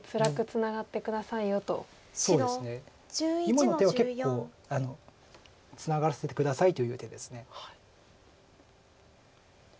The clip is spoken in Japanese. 今の手は結構「ツナがらせて下さい」という手です。